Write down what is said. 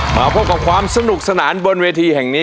มาพบกับความสนุกสนานบนเวทีแห่งนี้